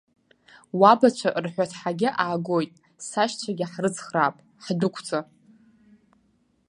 Уабацәа рҳәаҭҳагьы аагоит, сашьцәагьы ҳрыцхраап, ҳдәықәҵа!